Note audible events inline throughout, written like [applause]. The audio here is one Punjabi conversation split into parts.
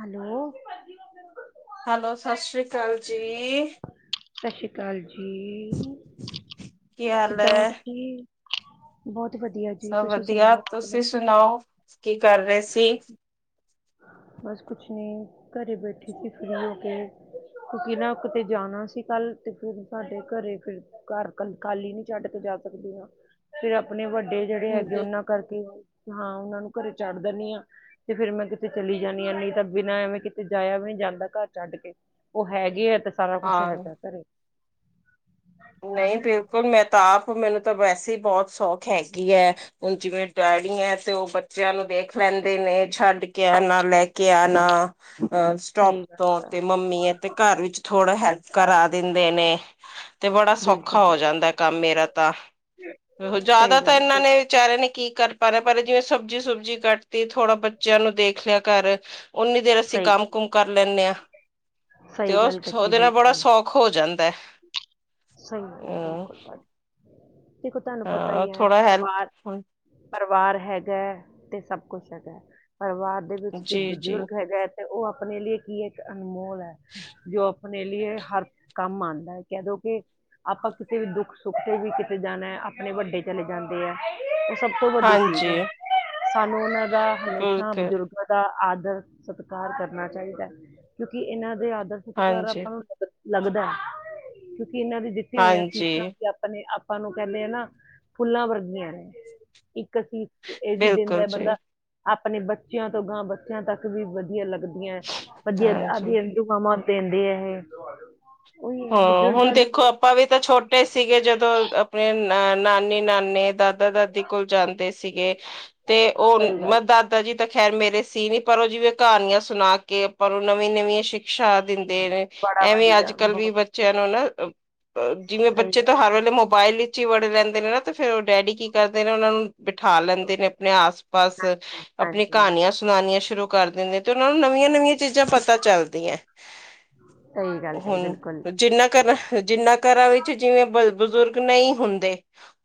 ਹੈਲੋ । ਹੈਲੋ ਸਤਿ ਸ੍ਰੀ ਅਕਾਲ ਜੀ ਸਤਿ ਸ੍ਰੀ ਅਕਾਲ ਜੀ ਕੀ ਹਾਲ ਕਿੱਦਾ ਓ ਹੈ ਤੁਸੀ ਬਹੁਤ ਵਧੀਆ ਜੀ ਸਭ ਤੁਸੀਂ ਵਧੀਆ ਸੁਣਾਓ ਆਪਣੇ ਤੁਸੀ ਸੁਣਾਓ ਕੀ ਕਰ ਰਹੇ ਸੀ। ਬਸ ਕੁਛ ਨੀ ਘਰੇ ਬੈਠੀ ਸੀ ਫਰੀ ਹੋ ਕੇ । ਕਿਉਂਕਿ ਨਾ ਕਿਤੇ ਜਾਣਾ ਸੀ ਕੱਲ ਤੇ ਫਿਰ ਸਾਡੇ ਘਰੇ ਫ਼ਿਰ ਘਰ ਖਾਲੀ ਨੀ ਛੱਡ ਕੇ ਜਾ ਸਕਦੀ ਆ ਫਿਰ ਆਪਣੇ ਵੱਡੇ ਵੱਡੇ ਜਿਹੜੇ ਹੈਗੇ ਹਾਂਜੀ। ਉਹਨਾ ਕਰਕੇ ਹਾਂ ਉਹਨਾ ਨੂੰ ਘਰੇ ਛੱਡ ਦਿੰਨੀਆਂ ਤੇ ਫੇਰ ਮੈਂ ਕਿਤੇ ਚਲੀ ਜਾਨੀ ਆ ਨਹੀ ਤਾ ਬਿਨਾਂ ਐਵੇ ਕਿਤੇ ਜਾਇਆ ਵੀ ਨੀ ਜਾਂਦਾ ਘਰ ਛੱਡ ਕੇ ਉਹ ਹੈਗੇ ਆ ਤੇ ਸਾਰਾ ਕੁਛ ਹੈਗਾ ਘਰੇ । ਨਹੀ ਬਿਲਕੁਲ ਮੈਂ ਤਾ ਆਪ ਮੈਨੂੰ ਤਾ ਵੈਸੇ ਈ ਬਹੁਤ ਸੌਖ ਹੈਗੀ ਐ ਹੁਣ ਜਿਵੇ ਡੈਡੀ ਐ ਤੇ ਉਹ ਬੱਚਿਆਂ ਨੂੰ ਦੇਖ ਲੈਂਦੇ ਨੇ ਛੱਡ ਕੇ ਆਣਾ ਲੈ ਕੇ ਆਣਾ। ਅ ਸਹੀ ਸਟੋਪ ਤੋ ਗੱਲ ਆ ਤੇ ਮੰਮੀ ਐ ਤੇ ਘਰ ਵਿੱਚ ਥੋੜਾ ਹੈਲਪ ਕਰਾ ਦਿੰਦੇ ਨੇ । ਤੇ ਬੜਾ ਬਿਲਕੁਲ ਸੌਖਾ ਹੋ ਸਹੀ ਜਾਂਦੈ ਕੰਮ ਮੇਰਾ ਤਾ ਸਹੀ ਜਿਆਦਾ ਗੱਲ ਤਾ ਆ ਬਿਲਕੁਲ ਇਹਨਾ ਨੇ ਵਿਚਾਰੇ ਨੇ ਕੀ ਕਰ ਪਾ ਨਾ ਪਰ ਜਿਵੇਂ ਸਬਜ਼ੀ ਸੁਬਜੀ ਕਟ ਤੇ ਥੋੜ੍ਹਾ ਬੱਚਿਆ ਨੂੰ ਦੇਖ ਲਿਆ ਘਰ ਓਨੀ ਦੇਰ ਅਸੀ ਸਹੀ ਕੰਮ ਕੁਮ ਕਰ ਲੈਂਨੇ ਆ। ਤੇ ਸਹੀ ਉਹ ਗੱਲ ਕੱਟੀ ਉਹਦੇ ਨਾਲ ਬੜਾ ਬਿਲਕੁਲ ਸੌਖ ਹੋ ਜਾਂਦੈ। ਸਹੀ ਗੱਲ ਐ ਬਿਲਕੁਲ ਦੇਖੋ ਤੁਹਾਨੂੰ ਪਤਾ ਹਾਂ ਹੀ ਐ ਥੋੜਾ ਪਰਿਵਾਰ ਹੈਲਪ ਪਰਿਵਾਰ ਹੈਗਾ ਐ ਤੇ ਸਭ ਕੁਛ ਹੈਗੇ ਪਰਿਵਾਰ ਦੇ ਵਿੱਚ ਜੇ ਜੀ ਜੀ ਬਜ਼ੁਰਗ ਹੈਗਾ ਤੇ ਉਹ ਆਪਣੇ ਲਈ ਕੀ ਇੱਕ ਅਨਮੋਲ ਐ ਜੋ ਆਪਣੇ ਲਈਏ ਹਰ ਕੰਮ ਆਂਦਾ ਹੈ ਕਹਿਦੋ ਆਪਾਂ ਕਿਤੇ ਵੀ ਦੁੱਖ ਸੁੱਖ ਤੇ ਵੀ ਕਿਤੇ ਜਾਣਾ ਹੈ ਆਪਣੇ ਵੱਡੇ ਚਲੇ ਜਾਂਦੇ ਹੈ ਸਭ ਤੋਂ ਵੱਡੀ ਚੀਜ਼ ਹਾਂਜੀ ਹੈ ਸਾਨੂੰ ਉਹਨਾਂ ਦਾ ਹਮੇਸ਼ਾ ਬਿਲਕੁਲ ਬਜ਼ੁਰਗਾਂ ਦਾ ਆਦਰ ਸਤਿਕਾਰ ਕਰਨਾ ਚਾਹੀਦਾ ਕਿਉਂਕਿ ਇਹਨਾਂ ਦੇ ਆਦਰ ਸਤਿਕਾਰ ਹਾਂਜੀ ਆਪਾਂ ਨੂੰ ਲੱਗਦਾ ਹੈ ਕਿਉਂਕਿ ਇਹਨਾਂ ਦੇ ਦਿੱਤੀ ਹੋਏਆਂ ਹਾਂਜੀ ਸਿਸਾਂ ਵੀ ਆਪਣੇ ਆਪ ਆਪਾਂ ਨੂੰ ਕਹਿੰਦੇ ਆ ਨਾ ਫੁੱਲਾਂ ਵਰਗੀਆਂ ਨੇ ਇੱਕ ਇਹ ਵੀ ਦੇ ਵੀ ਦੇਂਦਾ ਬਿਲਕੁਲ ਹੈ ਜੀ ਬੰਦਾ, ਆਪਣੇ ਬੱਚਿਆਂ ਤੋਂ ਗਾਂ ਬੱਚਿਆਂ ਤੱਕ ਵੀ ਵਧੀਆ ਲੱਗਦਾ। ਵਧੀਆ ਆ, ਹਾਂਜੀ ਦੁਆ ਮਾਂ ਬਾਪ ਦੇਂਦੇ ਐ । ਹਾਂ ਹੁਣ ਦੇਖੋ ਆਪਾਂ ਵੀ ਤਾਂ ਛੋਟੇ ਸੀਗੇ, ਜਦੋਂ ਆਪਣੇ ਅ ਨਾਨੀ ਨਾਨੇ, ਦਾਦਾ ਦਾਦੀ ਕੋਲ, ਜਾਂਦੇ ਸੀਗੇ। ਤੇ ਉਹ ਸਹੀ ਗੱਲ ਮੈਂ ਦਾਦਾ ਜੀ ਤਾਂ ਖੈਰ ਮੇਰੇ ਸੀ ਨੀ, ਪਰ ਔਹ ਜਿਵੇਂ ਕਹਾਣੀਆਂ ਸੁਣਾ ਕੇ, ਆਪਾਂ ਉਹ ਨਵੀਂ ਨਵੀਆਂ ਸ਼ੀ ਦਿੰਦੇ ਨੇ, ਬੜਾ ਐਵੇਂ ਅੱਜ ਵਧੀਆ ਕੱਲ੍ਹ ਵੀ ਬਹੁਤ ਬੱਚਿਆਂ ਨੂੰ ਨਾ ਜਿਵੇਂ ਸਹੀ ਬੱਚੇ ਤਾਂ ਗੱਲ ਹਰ ਵੇਲੇ ਮੋਬਾਇਲ ਵਿੱਚ ਹੀ ਵੜੇ ਰਹਿੰਦੇ ਨੇ ਨਾ, ਤੇ ਫੇਿਰ ਉਹ ਡੈਡੀ ਕੀ ਕਰਦੇ ਨੇ, ਉਹਨਾਂ ਨੂੰ ਬਿਠਾ ਲੈਂਦੇ ਨੇ ਆਪਣੇ ਆਸ ਪਾਸ, ਹੈ ਹਾਂਜੀ ਆਪਣੀ ਹਾਂਜੀ ਕਹਾਣੀਆਂ ਸੁਣਾਉਣੀਆਂ ਸ਼ੁਰੂ ਕਰ ਦਿੰਦੇ ਨੇ ਤੇ ਉਹਨਾਂ ਨੂੰ ਨਵੀਆਂ ਨਵੀਆਂ ਚੀਜ਼ਾਂ ਪਤਾ ਚੱਲਦੀਆਂ, ਸਹੀ ਗੱਲ ਕਹੀ ਹੁਣ ਬਿਲਕੁਲ ਜਿੰਨਾ ਘਰਾਂ ਜਿੰਨਾ ਘਰਾਂ ਵਿੱਚ ਜਿਵੇਂ ਬ ਬਜ਼ੁਰਗ ਨਹੀਂ ਹੁੰਦੇ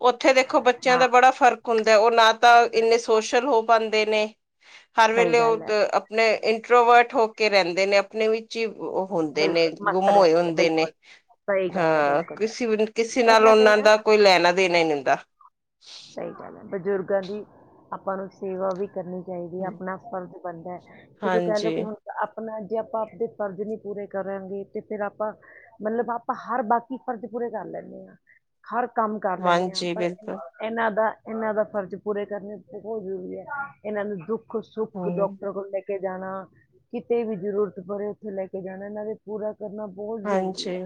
ਔਥੇ ਦੇਖੋ ਬੱਚਿਆਂ ਹਾਂ ਦਾ ਬੜਾ ਫ਼ਰਕ ਹੁੰਦਾ, ਔਹ ਨਾ ਤਾਂ ਇੰਨੇ ਸੋਸ਼ਲ ਹੋ ਪਾਉਦੇ ਨੇ ਹਰ ਸਹੀ ਵੇਲੇ ਗੱਲ ਹੈ ਉਹ ਆਪਣੇ ਇੰਟਰੋਵਰਟ ਹੋ ਕੇ ਰਹਿੰਦੇ ਨੇ, ਆਪਣੇ ਵਿੱਚ ਜੀ ਔਹ ਹੁੰਦੇ ਨੇ, ਬਿਲਕੁਲ ਮਸਤ ਗੁੰਮ ਹੋਏ ਰਹਿੰਦੇ ਆ ਹੁੰਦੇ ਨੇ ਬਿਲਕੁਲ ਸਹੀ ਗੱਲ ਹੈ ਹਾਂ ਬਿਲਕੁਲ ਕਿਸੇ ਕਿਸੇ ਨਾਲ ਇਹਨਾਂ ਦੇ ਉਹਨਾਂ ਆ ਦਾ ਕੋਈ ਲੈਣਾ ਦੇਣਾ ਹੀ ਹੁੰਦਾ। ਸਹੀ ਗੱਲ ਹੈ, ਬਜ਼ੁਰਗਾਂ ਦੀ ਆਪਾਂ ਨੂੰ ਸੇਵਾ ਵੀ ਕਰਨੀ ਚਾਹੀਦੀ ਆਪਣਾ ਫਰਜ਼ ਬਣਦਾ, ਜਦੋਂ ਕਹਿ ਲੋ, ਹਾਂਜੀ ਕਿ ਹੁਣ ਆਪਣਾ ਜੇ ਆਪਾਂ ਆਪਦੇ ਫਰਜ਼ ਨੀ ਪੂਰੇ ਕਰਾਂਗੇ, ਤੇ ਫਿਰ ਆਪਾਂ, ਮਤਲਬ ਆਪਾਂ ਹਰ ਬਾਕੀ ਫਰਜ਼ ਪੂਰੇ ਕਰ ਲੈਂਦੇ ਹਾਂ, ਹਰ ਕੰਮ ਕਰ ਲੈਂਨੇ ਹਾਂ ਹਾਂਜੀ ਪਰ ਬਿਲਕੁਲ ਇਹਨਾਂ ਦਾ ਇਹਨਾਂ ਦਾ ਫ਼ਰਜ਼ ਪੂਰੇ ਕਰਨੇ ਬਹੁਤ ਜ਼ਰੂਰੀ ਹੈ ਇਹਨਾਂ ਨੂੰ ਦੁੱਖ ਸੁੱਖ ਹਮ ਡਾਕਟਰ ਕੋਲ ਲੈ ਕੇ ਕੇ ਜਾਣਾ ਕਿਤੇ ਵੀ ਜ਼ਰੂਰਤ ਪਵੇ ਉੱਥੇ ਲੈ ਕੇ ਜਾਣਾ ਇਹਨਾਂ ਦੇ ਪੂਰਾ ਕਰਨਾ ਬਹੁਤ ਜ਼ਰੂਰੀ ਹਾਂਜੀ ਹੈ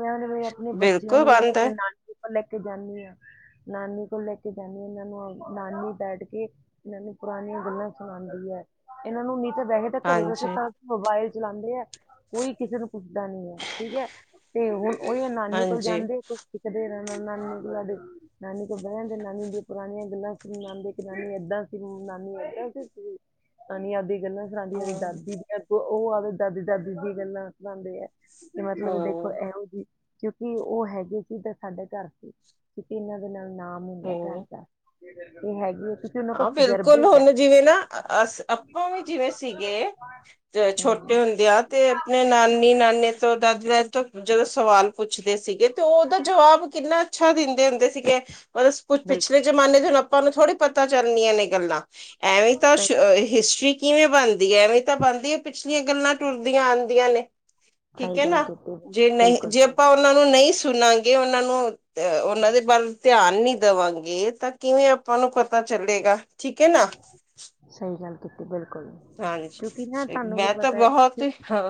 ਮੈਂ ਨੇ ਤੇ ਆਪਣੇ ਬੱਚਿਆਂ ਬਿਲਕੁਲ ਨੂੰ ਵੀ ਬੰਦ ਹੈ ਆਪਣੇ ਨਾਲ ਲੈ ਕੇ ਜਾਂਦੀ ਹਾਂ ਨਾਨੀ ਕੋਲ ਲੈ ਕੇ ਜਾਂਦੀ ਹਾਂ ਇਹਨਾਂ ਨੂੰ ਨਾਨੀ ਬੈਠ ਕੇ ਇਹਨਾਂ ਨੂੰ ਪੁਰਾਣੀਆਂ ਗੱਲਾਂ ਸੁਣਾਉਂਦੀ ਹੈ, ਇਹਨਾਂ ਨੂੰ ਨਹੀਂ ਤਾਂ ਬੈਕੇ, ਤਾਂ ਘਰੇ ਬੈਠੇ, ਹਾਂਜੀ ਮੋਬਾਇਲ ਚਲਾਉਂਦੇ ਐ। ਕੋਈ ਕਿਸੇ ਨੂੰ ਪੁੱਛਦਾ ਨੀ ਹੈ, ਠੀਕ ਹੈ, ਤੇ ਹੁਣ ਔਹੀ ਨਾਨੀ ਕੋਲ ਹਾਂਜੀ ਜਾਂਦੇ, ਕੁਛ ਸਿੱਖਦੇ ਨਾ। ਨਾਨੀ ਸਾਡੇ ਨਾਨੀ ਕੋਲ ਬਹਿਦੇ, ਨਾਨੀ ਦੀਆਂ ਪੁਰਾਣੀਆਂ ਗੱਲਾਂ ਸੁਣਉਂਦੇ, ਕਿ ਨਾਨੀ ਏਦਾਂ ਸੀ ਨਾਨੀ ਏਦਾਂ ਦੀ ਸੀ, ਨਾਨੀਆਂ ਦੀ ਗੱਲਾਂ ਸੁਣਾਉਂਦੀ ਆ ਹਮ ਦਾਦੀ ਦੀ ਉਹਦੇ ਦਾਦੀ ਦਾਦੀ ਦੀਆਂ ਗੱਲਾਂ ਸੁਣਾਉਂਦੇ ਆ ਮਤਲਬ ਦੇਖੋ ਹਮ ਇਹੋ ਜਿਹੀ ਕਿਉਂਕਿ ਉਹ ਹੈਗੇ ਸੀ ਸਾਡੇ ਘਰ ਦੇ, ਕਿਉਂਕਿ ਇਹਨਾਂ ਦੇ ਨਾਲ ਨਾਮ ਹੁੰਦਾ ਹਮ ਘਰ ਦਾ ਏ ਹੈਗੀ ਐ ਹਾਂ ਬਿਲਕੁਲ ਹੁਣ ਜਿਵੇਂ ਨਾ ਅ ਆਪਾਂ ਵੀ ਜਿਵੇਂ ਸੀਗੇ ਛੋਟੇ ਤੇ ਹਮ ਹੁੰਦੇ ਆ, ਤੇ ਆਪਣੇ ਨਾਨੀ ਨਾਨੇ ਤੋਂ, ਦਾਦੀ ਤੋਂ ਜਦੋਂ ਸਵਾਲ ਪੁੱਛਦੇ ਸੀਗੇ, ਤੇ ਉਹਦਾ ਜਵਾਬ ਕਿੰਨਾ ਅੱਛਾ ਦਿੰਦੇ ਹੁੰਦੇ ਸੀਗੇ ਪਰਤਲਬ ਕੁਛ ਪਿਛਲੇ ਬਿਲਕੁਲ ਜਮਾਨੇ ਦੇ, ਹੁਣ ਆਪਾਂ ਨੂੰ ਥੋੜ੍ਹੀ ਪਤਾ ਚੱਲਣੀਆਂ ਨੇ ਗੱਲਾਂ ਐਵੇਂ ਤਾਂ ਸਹੀ ਹਿਸਟਰੀ ਕਿਵੇਂ ਬਣਦੀ ਹੈ, ਐਵੇਂ ਤਾਂ ਬਣਦੀ ਹੈ, ਪਿਛਲੀਆਂ ਗੱਲਾਂ ਟੁਰਦੀਆਂ ਆਉਂਦੀਆਂ ਨੇ। ਠੀਕ ਸਹੀ ਹੈ ਗੱਲ ਨਾ, ਕੀਤੀ ਜੇ ਨਹੀਂ, ਬਿਲਕੁਲ ਜੇ ਸਹੀ। ਆਪਾਂ ਉਹਨਾ ਨੂੰ ਨਹੀਂ ਸੁਣਾਂਗੇ ਉਹਨਾਂ ਨੂੰ, ਅ ਉਹਨਾਂ ਦੇ ਬਾਰੇ ਧਿਆਨ ਨੀ ਦੇਵਾਂਗੇ, ਤਾਂ ਕਿਵੇਂ ਆਪਾਂ ਨੂੰ ਪਤਾ ਚੱਲੇਗਾ, ਠੀਕ ਹੈ ਨਾ। ਸਹੀ ਗੱਲ ਕੀਤੀ ਬਿਲਕੁਲ ਹਾਂਜੀ ਕਿਉਂਕਿ ਨਾ ਤੁਹਾਨੂੰ ਵੀ ਮੈਂ ਤਾਂ ਪਤਾ ਹੈ ਬਹੁਤ ਹਾਂ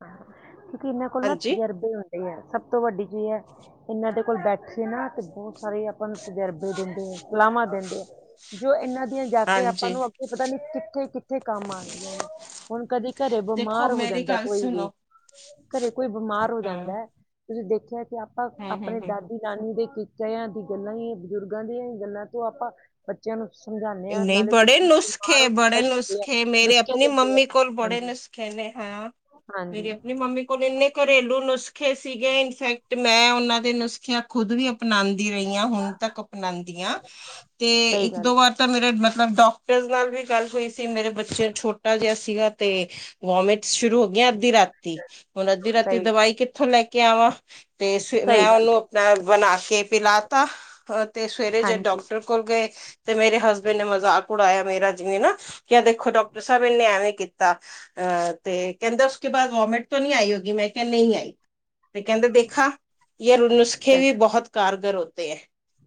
ਕਿਉਂਕਿ ਇਹਨਾਂ ਕੋਲ ਨਾ ਹਾਂਜੀ ਤਜੁਰਬੇ ਹੁੰਦੇ ਹੈ ਸਭ ਤੋਂ ਵੱਡੀ ਚੀਜ਼ ਹੈ ਇਹਨਾਂ ਦੇ ਕੋਲ ਬੈਠੀਏ ਨਾ ਤੇ ਬਹੁਤ ਸਾਰੇ ਆਪਾਂ ਨੂੰ ਤਜੁਰਬੇ ਦਿੰਦੇ ਆ, ਸਲਾਹਾਂ ਦਿੰਦੇ ਆ ਜੋ ਇਹਨਾਂ ਏ ਜਾ ਕੇ ਆਪਾਂ ਹਾਂਜੀ ਨੂੰ ਆਪਗੇ ਪਤਾ ਨੀ ਕਿੱਥੇ ਕਿੱਥੇ ਕੰਮ ਆਣ, ਨੇ ਹੁਣ ਕਦੇ ਘਰੇ ਦੇਖੋ ਬਿਮਾਰ ਹੋ ਜਾ ਮੇਰੀ ਗੱਲ ਸੁਨੋ। ਘਰੇ ਕੋਈ ਬਿਮਾਰ ਹੋ ਜਾਂਦਾ ਹੈ, ਤੁਸੀਂ ਦੇਖਿਆ ਕਿ ਆਪਾਂ ਹਮ ਹਮ ਆਪਣੇ ਹਮ ਦਾਦੀ ਨਾਨੀ ਦੇ ਕਿਤਿਆਂ ਦੀ ਗੱਲਾਂ ਹੀ, ਬਜ਼ੁਰਗਾਂ ਦੀਆਂ ਹੀ ਗੱਲਾਂ, ਤੋਂ ਆਪਾਂ ਬੱਚਿਆਂ ਨੂੰ ਸਮਝਾਉਂਦੇ ਹਾਂ ਨਹੀਂ ਨਾਲੇ ਕੁਝ ਬੜੇ ਨੁਸਖੇ ਬਿਮਾਰ ਹੈ, ਹੋ ਬੜੇ ਸਹੀ ਹੁੰਦੇ ਆ ਨੁਸਖੇ, ਮੇਰੇ ਨੁਸਖੇ ਆਪਣੀ ਦਿੰਦੇ ਆ ਮੰਮੀ ਕੋਲ ਬੜੇ ਹਾਂਜੀ ਨੁਸਖੇ ਨੇ। ਹੈ, ਹਾਂਜੀ ਮੇਰੀ ਆਪਣੀ ਮੰਮੀ ਕੋਲ ਇੰਨੇ ਘਰੇਲੂ ਨੁਸਖੇ ਨੁਸਖੇ ਸੀਗੇ ਇਨਫੈਕਟ ਮੈਂ ਉਹਨਾਂ ਦੇ ਨੁਸਖਿਆਂ ਖੁਦ ਵੀ ਅਪਣਾਉਂਦੀ ਰਹੀਆਂ ਹੁਣ ਤੱਕ ਅਪਣਾਉਂਦੀਆਂ, ਤੇ ਸਹੀ ਇੱਕ ਗੱਲ ਦੋ ਵਾਰ ਤਾਂ ਮੇਰੇ ਮਤਲਬ ਡਾਕਟਰ ਨਾਲ ਵੀ ਗੱਲ ਹੋਈ ਸੀ, ਮੇਰੇ ਬੱਚੇ ਛੋਟਾ ਜਿਹਾ ਸੀਗਾ ਤੇ ਵੋਮਿਟ ਸ਼ੁਰੂ ਹੋ ਗਈਆਂ ਅੱਧੀ ਰਾਤੀ, ਹੁਣ ਅੱਧੀ ਰਾਤੀ ਸਹੀ ਦਵਾਈ ਕਿੱਥੋਂ ਲੈ ਕੇ ਆਵਾਂ ਤੇ ਤੇ ਮੈਂ ਸਹੀ ਗੱਲ ਉਹਨੂੰ ਕਹੀ ਆਪਣਾ ਬਣਾ ਕੇ ਪਿਲਾ ਤਾ ਤੇ ਸਵੇਰੇ ਜੇ ਹਾਂਜੀ ਡਾਕਟਰ ਕੋਲ ਗਏ ਤੇ ਮੇਰੇ ਹਸਬੈਂਡ ਨੇ ਮਜ਼ਾਕ ਉਡਾਇਆ ਮੇਰਾ ਜਿਵੇਂ ਨਾ ਕਿਆ ਦੇਖੋ ਡਾਕਟਰ ਸਾਹਿਬ ਇਹਨੇ ਐਵੇਂ ਕੀਤਾ ਆ ਤੇ ਕਹਿੰਦੇ ਉਸਕੇ ਬਾਅਦ ਵੋਮਿਟ ਤਾਂ ਨਹੀਂ ਆਈ ਹੋਗੀ ਮੈਂ ਕਿਹਾ ਨਹੀਂ ਆਈ। ਤੇ ਕਹਿੰਦੇ ਦੇਖਾ, ਯੇ ਨੁਸਖੇ ਸਹੀ ਵੀ ਬਹੁਤ ਕਾਰਗਰ ਹੋਤੇ ਹੈ।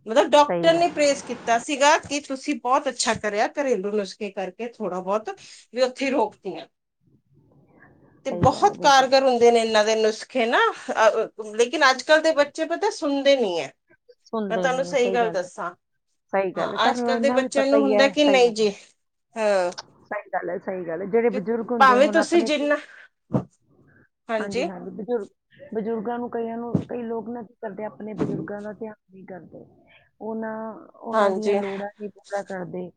ਮਤਲਬ ਸਹੀ ਡਾਕਟਰ ਗੱਲ ਨੇ ਪ੍ਰੇਸ ਕੀਤਾ ਸੀਗਾ ਕਿ ਤੁਸੀਂ ਬਹੁਤ ਅੱਛਾ ਕਰਿਆ ਘਰੇਲੂ ਨੁਸਖੇ ਕਰਕੇ ਥੋੜਾ ਬਹੁਤ ਵੀ ਉੱਥੇ ਰੋਕਤੀਆਂ। ਤੇ ਸਹੀ ਗੱਲ ਹੈ ਬਹੁਤ ਬਿਲਕੁਲ ਕਾਰਗਰ ਹੁੰਦੇ ਨੇ ਇਹਨਾਂ ਦੇ ਨੁਸਖੇ ਨਾ ਲੇਕਿਨ ਅੱਜਕੱਲ ਦੇ ਬੱਚੇ ਪਤਾ ਸੁਣਦੇ ਨੀ ਐ। ਮੈਂ ਸੁਣਦੇ ਤੁਹਾਨੂੰ ਨੀ ਸਹੀ ਗੱਲ ਹੈ ਦੱਸਾਂ, ਸਹੀ ਹਾਂ ਗੱਲ ਹੈ ਅੱਜ ਤੁਹਾਨੂੰ ਅੱਜਕੱਲ ਦੇ ਇੰਨਾ ਵੀ ਬੱਚਿਆਂ ਪਤਾ ਨੂੰ ਹੀ ਹੁੰਦਾ ਹੈ ਕਿ ਸਹੀ ਨਹੀਂ ਗੱਲ ਜੀ ਹੈ ਹਾਂ ਸਹੀ ਗੱਲ ਹੈ ਸਹੀ ਗੱਲ ਹੈ ਜਿਹੜੇ ਬਜ਼ੁਰਗ ਹੁੰਦੇ ਆ ਭਾਵੇਂ ਹੁਣ ਤੁਸੀਂ ਆਪਣੇ ਜਿੰਨਾ ਹਾਂਜੀ ਹਾਂਜੀ-ਹਾਂਜੀ ਬਜ਼ੁਰਗ ਬਜ਼ੁਰਗਾਂ ਨੂੰ ਕਈਆਂ ਨੂੰ ਕਈ ਲੋਕ ਨਾ ਕਰਦੇ ਆਪਣੇ ਬਜ਼ੁਰਗਾਂ ਦਾ ਧਿਆਨ ਨਹੀਂ ਕਰਦੇ, ਉਹ ਨਾ ਉਹਨਾਂ ਹਾਂਜੀ ਦੀਆਂ ਲੋੜਾਂ ਨਹੀ ਪੂਰਾ ਕਰਦੇ,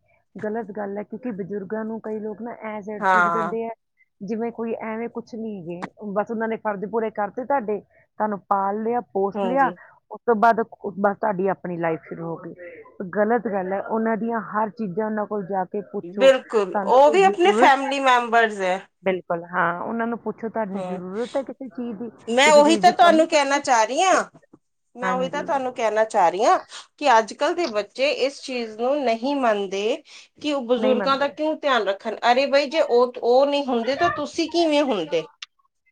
ਗ਼ਲਤ ਗੱਲ ਹੈ ਕਿਉਂਕਿ ਬਜ਼ੁਰਗਾਂ ਨੂੰ ਕਈ ਲੋਕ ਆਪ ਐਸ ਇਟ ਸਿਟ ਹਾਂ ਦਿੰਦੇ ਆ, ਜਿਵੇਂ ਕੋਈ ਐਵੇਂ ਕੁੱਛ ਨਹੀਂ ਹੈਗੇ। ਬਸ ਉਹਨਾਂ ਨੇ ਫਰਜ਼ ਪੂਰੇ ਕਰਤੇ ਤੁਹਾਡੇ ਤੁਹਾਨੂੰ ਪਾਲ ਲਿਆ ਪੋਸ ਲਿਆ ਹਾਂਜੀ ਤੋਂ ਬਾਅਦ ਬਸ ਤੁਹਾਡੀ ਆਪਣੀ ਲਾਈਫ ਸ਼ੁਰੂ ਹੋ ਗਈ ਗਲਤ ਗੱਲ ਏ ਉਹਨਾਂ ਦੀਆਂ ਹਰ ਚੀਜ਼ਾਂ ਉਹਨਾਂ ਕੋਲ ਜ਼ਿਆ ਕੇ ਪੁੱਛੋ ਬਿਲਕੁਲ ਤੁਹਾਨੂੰ ਉਹ ਕੋਈ ਵੀ ਆਪਣੇ ਜ਼ਰੂਰਤ ਹੈ, ਫੈਮਿਲੀ ਮੈਂਬਰਸ ਹੈ ਬਿਲਕੁਲ ਹਾਂ ਉਹਨਾਂ ਨੂੰ ਪੁੱਛੋ ਤੁਹਾਨੂੰ ਹਮ ਜ਼ਰੂਰਤ ਹੈ ਕਿਸੇ ਚੀਜ਼ ਦੀ, ਮੈਂ ਕਿਸੇ ਉਹੀ ਚੀਜ਼ ਤਾਂ ਦੀ ਤੁਹਾਨੂੰ ਕਮੀ ਤਾ ਕਹਿਣਾ ਨੀ ਚਾਹ ਰਹੀ ਹਾਂ ਮੈਂ ਉਹੀ ਤਾਂ ਤੁਹਾਨੂੰ ਕਹਿਣਾ ਚਾਹ ਰਹੀ ਆ ਕਿ ਅੱਜ ਕਲ ਦੇ ਬੱਚੇ ਇਸ ਚੀਜ਼ ਨੂੰ ਨਹੀਂ ਮੰਨਦੇ ਕਿ ਉਹ ਨਹੀਂ ਬਜ਼ੁਰਗਾਂ ਦਾ ਮੰਨਦੇ ਕਿਉਂ ਧਿਆਨ ਰੱਖਣ ਅਰੇ ਬਈ ਜੇ ਉਹ ਉਹ ਨਹੀਂ ਹੁੰਦੇ ਤਾਂ ਤੁਸੀਂ ਕਿਵੇਂ ਹੁੰਦੇ।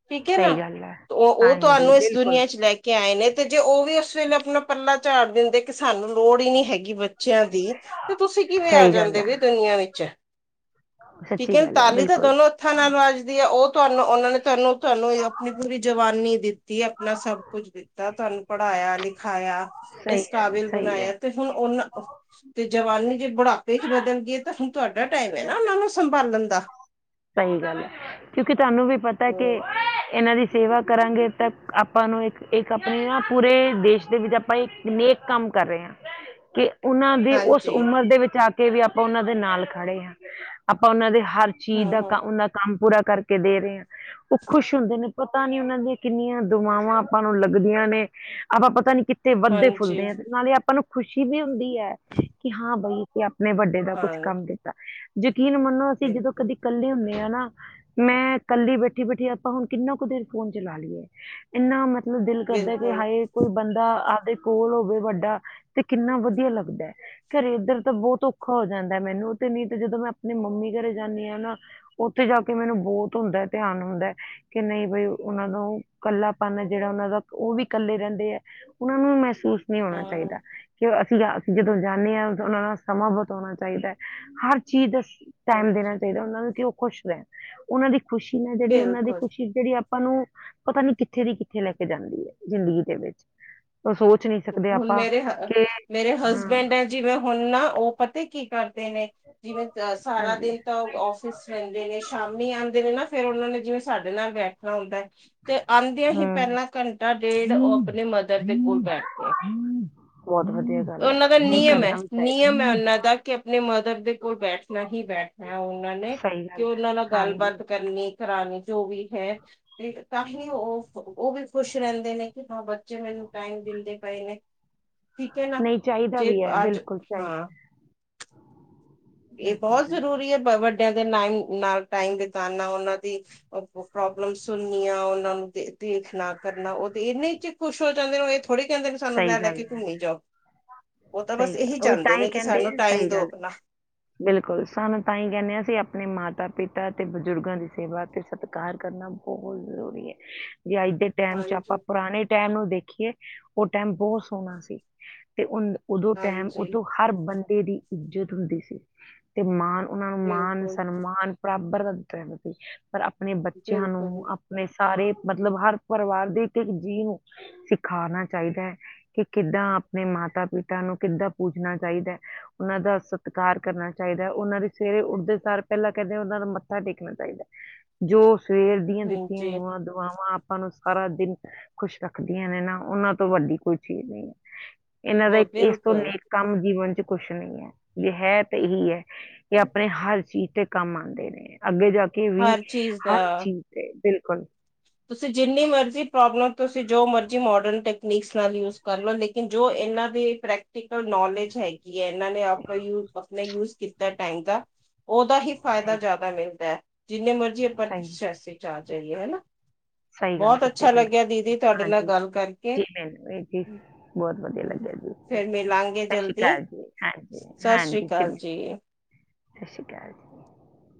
ਠੀਕ ਹੈ ਨਾ। ਸਹੀ ਗੱਲ ਹੈ ਉਹ ਉਹ ਹਾਂਜੀ ਤੁਹਾਨੂੰ ਇਸ ਬਿਲਕੁਲ ਦੁਨੀਆਂ 'ਚ ਲੈ ਕੇ ਆਏ ਨੇ ਤੇ ਜੇ ਉਹ ਵੀ ਉਸ ਵੇਲੇ ਆਪਣਾ ਪੱਲਾ ਝਾੜ ਦਿੰਦੇ ਕਿਸ ਸਾਨੂੰ ਲੋੜ ਹੀ ਨੀ ਹੈਗੀ ਬੱਚਿਆਂ ਦੀ ਤੇ ਤੁਸੀਂ ਕਿਵੇਂ ਆ ਸਹੀ ਗੱਲ ਜਾਂਦੇ ਹੈ ਵੀ ਦੁਨੀਆਂ ਵਿੱਚ। ਠੀਕ ਸੱਚੀ ਹੈ ਗੱਲ ਤਾਲੀ ਤਾਂ ਬਿਲਕੁਲ ਦੋਨੋ ਹੱਥਾਂ ਹਾਂ ਨਾਲ ਵੱਜਦੀ ਹੈ ਉਹ ਤੁਹਾਨੂੰ ਉਹਨਾਂ ਨੇ ਤੈਨੂੰ ਤੁਹਾਨੂੰ ਆਪਣੀ ਪੂਰੀ ਜਵਾਨੀ ਦਿੱਤੀ ਆਪਣਾ ਸਭ ਕੁਛ ਦਿੱਤਾ ਤੁਹਾਨੂੰ ਪੜ੍ਹਾਇਆ ਲਿਖਾਇਆ। ਸਹੀ ਇਸ ਹੈ ਕਾਬਿਲ ਸਹੀ ਬਣਾਇਆ ਹੈ ਤੇ ਹੁਣ ਉਹਨਾਂ ਤੇ ਜਵਾਨੀ ਜੇ ਬੁਢਾਪੇ 'ਚ ਬਦਲ ਗਈਏ ਤਾਂ ਹੁਣ ਤੁਹਾਡੇ ਤੁਹਾਡਾ ਟਾਈਮ ਹੈ ਨਾ ਉਹਨਾਂ ਨੂੰ ਸੰਭਾਲਣ ਦਾ। ਸਹੀ ਗੱਲ ਹੈ ਕਿਉਂਕਿ ਤੁਹਾਨੂੰ ਵੀ ਪਤਾ ਕਿ ਇਹਨਾਂ ਦੀ ਸੇਵਾ ਕਰਾਂਗੇ ਤਾਂ ਆਪਾਂ ਨੂੰ ਇੱਕ ਇੱਕ ਆਪਣੇ ਨਾ ਪੂਰੇ ਦੇਸ਼ ਦੇ ਵਿੱਚ ਆਪਾਂ ਇੱਕ ਨੇਕ ਕੰਮ ਕਰ ਰਹੇ ਆ, ਕਿ ਉਹਨਾਂ ਦੀ ਉਸ ਹਾਂਜੀ ਉਮਰ ਦੇ ਵਿੱਚ ਆ ਕੇ ਵੀ ਆਪਾਂ ਉਹਨਾਂ ਦੇ ਨਾਲ ਖੜੇ ਹਾਂ। ਆਪਾਂ ਉਹਨਾਂ ਦੇ ਹਰ ਚੀਜ਼ ਦਾ ਹਮ ਹਮ ਕ- ਉਹਨਾਂ ਕੰਮ ਪੂਰਾ ਕਰਕੇ ਦੇ ਰਹੇ ਆ ਉਹ ਖੁਸ਼ ਹੁੰਦੇ ਨੇ ਪਤਾ ਨੀ ਉਹਨਾਂ ਦੀਆਂ ਕਿੰਨੀਆਂ ਦੁਆਵਾਂ ਆਪਾਂ ਨੂੰ ਲੱਗਦੀਆਂ ਨੇ ਆਪਾਂ ਪਤਾ ਨੀ ਕਿੱਥੇ ਹਾਂਜੀ ਵੱਧਦੇ-ਫੁੱਲਦੇ ਹੈ ਤੇ ਨਾਲੇ ਆਪਾਂ ਨੂੰ ਖੁਸ਼ੀ ਵੀ ਹੁੰਦੀ ਹੈ ਕਿ ਹਾਂ ਬਈ ਕਿ ਨੇ ਵੱਡੇ ਦਾ ਕੁੱਛ ਹਾਂ ਕੰਮ ਕੀਤਾ। ਯਕੀਨ ਮੰਨੋ ਅਸੀਂ ਜਦੋਂ ਬਿਲਕੁਲ ਕਦੇ ਹੁੰਨੇ ਆ ਨਾ ਮੈਂ ਕੱਲੀ ਬੈਠੀ-ਬੈਠੀ ਆਪਾਂ ਹੁਣ ਕਿੰਨਾ ਕੁ ਦੇਰ ਫੋਨ ਚਲਾ ਲਈਏ, ਇੰਨਾ ਮਤਲਬ ਨੂੰ ਦਿਲ ਕਰਦਾ ਕਿ ਬਿਲਕੁਲ ਹਾਏ ਕੋਈ ਬੰਦਾ ਦੇ ਕੋਲ ਹੋਵੇ ਵੱਡਾ ਤੇ ਕਿੰਨਾ ਵਧੀਆ ਲੱਗਦਾ, ਘਰੇ ਇੱਧਰ ਤਾਂ ਬਹੁਤ ਔਖਾ ਹੋ ਜਾਂਦਾ ਮੈਨੂੰ। ਉਹ ਤੇ ਨੀ ਤੇ ਜਦੋਂ ਮੈਂ ਆਪਣੀ ਮੰਮੀ ਘਰੇ ਜਾਂਨੀ ਆ ਨਾ ਉੱਥੇ ਜਾ ਕੇ ਮੈਨੂੰ ਬਹੁਤ ਹੁੰਦਾ ਧਿਆਨ ਹੁੰਦਾ ਕਿ ਨਹੀਂ ਬਈ ਉਹਨਾਂ ਨੂੰ ਕੱਲਾਪਨ ਜਿਹੜਾ ਉਹਨਾਂ ਦਾ ਉਹ ਵੀ ਇਕੱਲੇ ਰਹਿੰਦੇ ਏ ਉਹਨਾਂ ਨੂੰ ਮਹਿਸੂਸ ਨਹੀਂ ਹੋਣਾ ਹਾਂ ਚਾਹੀਦਾ ਕਿ ਸੀਗਾ ਅਸੀਂ ਜਦੋਂ ਜਾਂਦੇ ਹਾਂ ਉਦ ਉਹਨਾਂ ਨਾਲ ਸਮਾਂ ਬਿਤਾਉਣਾ ਚਾਹੀਦਾ ਹੈ। ਹਰ ਚੀਜ਼ ਟਾਈਮ ਦੇਣਾ ਹਾਂਜੀ ਚਾਹੀਦਾ ਉਹਨਾਂ ਨੂੰ ਕਿ ਉਹ ਖੁਸ਼ ਰਹਿਣ ਉਹਨਾਂ ਦੀ ਖੁਸ਼ੀ ਨਾ ਜਿਹੜੀ ਉਹਨਾਂ ਦੀ ਬਿਲਕੁਲ ਖੁਸ਼ੀ ਜਿਹੜੀ ਆਪ ਆਪਾਂ ਨੂੰ ਪਤਾ ਨੀ ਕਿੱਥੇ ਦੀ ਕਿੱਥੇ ਲੈ ਕੇ ਜਾਂਦੀ ਹੈ। ਜ਼ਿੰਦਗੀ ਦੇ ਵਿੱਚ ਉਹ ਸੋਚ ਨਹੀਂ ਸਕਦੇ ਹੁਣ ਆਪਾਂ ਮੇਰੇ ਕਿ ਮੇਰੇ ਹਾਂ ਹਸਬੈਂਡ ਹੈ ਜਿਵੇਂ ਹੁਣ ਨਾ ਉਹ ਪਤਾ ਕੀ ਕਰਨ ਨੇ ਜਿਵੇਂ ਸਾਰਾ ਹਾਂਜੀ ਦਿਨ ਤਾਂ ਆਫਿਸ ਰਹਿੰਦੇ ਨੇ ਸ਼ਾਮੀ ਆਉਂਦੇ ਨੇ ਨਾ ਫਿਰ ਉਹ ਉਹਨਾਂ ਨੇ ਜਿਵੇਂ ਸਾਡੇ ਨਾਲ ਬੈਠਣਾ ਹੁੰਦਾ ਹੈ ਤੇ ਆਉਂਦਿਆਂ ਹੀ ਹੂੰ ਪਹਿਲਾਂ ਘੰਟਾ ਤੇ ੳਹ ਆਪਣੇ ਮਦਰ ਦੇ ਕੋਲ ਹਮ ਹਮ [unintelligible] ਵਧੀਆਂ ਗੱਲ ਹੈ ਉਹਨਾਂ ਦਾ ਨਹੀਂ ਨਿਯਮ ਹੈ ਕਰਨਾ ਵੀ ਚਾਹੀਦਾ ਨਿਯਮ ਹੈ ਉਹਨਾਂ ਦਾ ਕਿ ਆਪਣੇ ਮਦਰ ਦੇ ਕੋਲ ਬੈਠਣਾ ਹੀ ਬੈਠਣਾ ਉਹਨਾਂ ਨੇ ਸਹੀ ਕਿ ਗੱਲ ਹੈ ਉਹਨਾਂ ਨਾਲ ਹਾਂਜੀ ਗੱਲਬਾਤ ਕਰਨੀ ਕਰਾਨੀ ਜੋ ਵੀ ਹੈ ਤੇ ਤਾਂ ਹੀ ਉਹ ਉਹ ਵੀ ਖੁਸ਼ ਰਹਿੰਦੇ ਨੇ ਕਿ ਹਾਂ ਬੱਚੇ ਮੈਨੂੰ ਟਾਈਮ ਪ ਠੀਕ ਹੈ ਨਾ ਨਹੀਂ ਚਾਹੀਦਾ ਜੇ ਵੀ ਹੈ ਅਜ ਬਿਲਕੁਲ ਹਾਂ ਚਾਹੀਦਾ ਇਹ ਬਿਲਕੁਲ ਬਹੁਤ ਬਿਲਕੁਲ ਜ਼ਰੂਰੀ ਹੈ ।ਪਰ ਵੱਡਾ ਦੇ ਨਾਲ ਟਾਈਮ ਬਿਤਾਨਾ ਉਹਨਾਂ ਦੀ ਪ੍ਰੋਬਲਮ ਸੁਣਨੀਆਂ ਉਹਨਾਂ ਨੂੰ ਦੇਖਣਾ ਕਰਨਾ ਉਹ ਤੇ ਇੰਨੇ ਚ ਖੁਸ਼ ਹੋ ਜਾਂਦੇ ਇਹ ਥੋੜ੍ਹੇ ਕਹਿੰਦੇ ਨੇ ਸਾਨੂੰ ਲੈ ਸਹੀ ਲੈ ਗੱਲ ਕੇ ਹੈ ਘੁੰਮੀ ਜਾਓ। ਉਹ ਤਾਂ ਬਸ ਸਹੀ ਇਹੀ ਗੱਲ ਉਹ ਚਾਹੁੰਦੇ ਤਾਂ ਹੀ ਨੇ ਕਿ ਕਹਿੰਦੇ ਸਾਨੂੰ ਆ ਟਾਈਮ ਸਹੀ ਦੋ ਗੱਲ ਆਪਣਾ। ਬਿਲਕੁਲ ਸਾਨੂੰ ਤਾਂ ਹੀ ਕਹਿੰਨੇ ਅਸੀਂ ਆਪਣੇ ਮਾਤਾ-ਪਿਤਾ ਤੇ ਬਜ਼ੁਰਗਾਂ ਦੀ ਸੇਵਾ ਤੇ ਸਤਿਕਾਰ ਕਰਨਾ ਬਹੁਤ ਜ਼ਰੂਰੀ ਏ ਜੇ ਅੱਜ ਦੇ ਟੈਮ ਚ ਆਪਾਂ ਹਾਂਜੀ ਪੁਰਾਣੇ ਟੈਮ ਨੂੰ ਦੇਖੀਏ ਉਹ ਟੈਮ ਬਹੁਤ ਸੋਹਣਾ ਸੀ, ਤੇ ਉਦੋਂ ਟੈਮ ਹਾਂਜੀ ਉਥੋਂ ਹਰ ਬੰ ਦੀ ਇੱਜਤ ਹੁੰਦੀ ਸੀ ਤੇ ਮਾਨ ਉਹਨਾਂ ਨੂੰ ਮਾਣ ਬਿਲਕੁਲ ਸਨਮਾਨ ਪ੍ਰਾਪਤ [unintelligible] ਪਰ ਆਪਣੇ ਬੱਚਿਆਂ ਨੂੰ ਬਿਲਕੁਲ ਆਪਣੇ ਸਾਰੇ ਮਤਲਬ ਹਰ ਪਰਿਵਾਰ ਦੇ ਇੱਕ ਇੱਕ ਜੀਅ ਨੂੰ ਸਿਖਾਉਣਾ ਚਾਹੀਦਾ ਹੈ ਕਿ ਕਿੱਦਾਂ ਆਪਣੇ ਮਾਤਾ ਪਿਤਾ ਨੂੰ ਕਿੱਦਾਂ ਪੂਜਣਾ ਚਾਹੀਦਾ ਹੈ। ਉਹਨਾਂ ਦਾ ਸਤ ਸਤਿਕਾਰ ਕਰਨਾ ਚਾਹੀਦਾ ਉਹਨਾਂ ਦੀ ਸਵੇਰੇ ਉੱਠਦੇ ਸਾਰ ਪਹਿਲਾਂ ਕਹਿੰਦੇ ਉਹਨਾਂ ਦਾ ਮੱਥਾ ਟੇਕਣਾ ਚਾਹੀਦਾ। ਜੋ ਸਵੇਰ ਦੀਆਂ ਦਿੱਤੀਆਂ ਹਾਂਜੀ ਹੋਈਆਂ ਦੁਆਵਾਂ ਆਪਾਂ ਨੂੰ ਸਾਰਾ ਦਿਨ ਖੁਸ਼ ਰੱਖਦੀਆਂ ਨੇ ਨਾ ਉਹਨਾਂ ਵੱਡੀ ਕੋਈ ਚੀਜ਼ ਨਹੀਂ ਹੈ ਇਹਨਾਂ ਦਾ ਉਹ ਇਸ ਤੋਂ ਬਿਲਕੁਲ ਨੇਕ ਕੰਮ ਜੀਵਨ ਕੁਛ ਨਹੀਂ ਹੈ ਜੇ ਹੈ ਤੇ ਇਹੀ ਹੈ ਕਿ ਆਪਣੇ ਹਰ ਚੀਜ਼ ਤੇ ਕੰਮ ਆਉਂਦੇ ਨੇ ਅੱਗੇ ਜਾ ਕੇ ਵੀ ਹਰ ਚੀਜ਼ ਹਰ ਦਾ ਚੀਜ਼ ਤੇ ਬਿਲਕੁਲ ਤੁਸੀਂ ਜਿੰਨੀ ਮਰਜ਼ੀ ਪ੍ਰੋਬਲਮ ਤੁਸੀਂ ਜੋ ਮਰਜ਼ੀ ਮੋਡਰਨ ਟੈਕਨੀਕਸ ਨਾਲ ਯੂਜ ਕਰ ਲਓ ਲੇਕਿਨ ਜੋ ਇਹਨਾਂ ਦੇ ਪ੍ਰੈਕਟੀ ਨੌਲੇਜ ਹੈਗੀ ਹੈ ਇਹਨਾਂ ਨੇ ਆਪਾਂ ਆਪਣੇ ਯੂਜ ਕੀਤਾ ਟੈਂਕ ਦਾ ਉਹਦਾ ਹੀ ਫਾਇਦਾ ਸਹੀ ਜ਼ਿਆਦਾ ਮਿਲਦਾ ਜਿੰਨੇ ਮਰਜ਼ੀ ਆਪਾਂ ਸਹੀ ਸੈਸੀ ਚ ਆ ਜਾਈਏ ਹਨਾ। [inaudible] ਸਹੀ ਗੱਲ ਬਹੁਤ ਕੀਤੀ ਅੱਛਾ ਲੱਗਿਆ ਬਿਲਕੁਲ ਦੀਦੀ ਤੁਹਾਡੇ ਨਾਲ ਹਾਂਜੀ ਗੱਲ ਕਰਕੇ ਜੀ ਮੈਨੂੰ ਵੀ ਜੀ ਬਹੁਤ ਵਧੀਆ ਲੱਗਿਆ ਜੀ ਸਤਿ ਫਿਰ ਮਿਲਾਂਗੇ ਸ਼੍ਰੀ ਜਲਦੀ ਅਕਾਲ ਜੀ ਹਾਂਜੀ ਸਤ ਸ੍ਰੀ ਅਕਾਲ ਜੀ। ਸਤ ਸ੍ਰੀ ਅਕਾਲ ।